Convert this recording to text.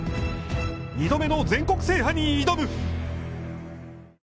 ２度目の全国制覇に挑む。